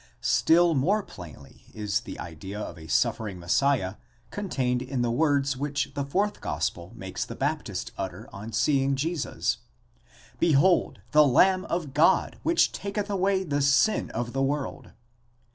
Still more plainly is the idea of a suffering Messiah contained in the words which the fourth gospel makes the Baptist utter on seeing Jesus + Behold the Lamb of God which taketh away the sin of the world (1.